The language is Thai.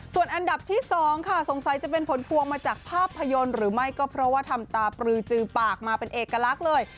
ส่วนอันดับที่๒ค่ะสงสัยจะเป็นผลพวงมาจากภาพยนตร์หรือไม่ก็เพราะว่าทำตาปลือจือปากมาเป็นเอกลักษณ์เลย